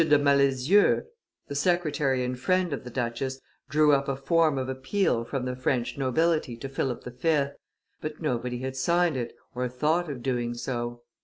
de Malezieux, the secretary and friend of the duchess, drew up a form of appeal from the French nobility to Philip V., but nobody had signed it, or thought of doing so.